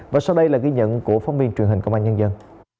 và sau đây là ghi nhận của phóng viên truyền hình công an nhân dân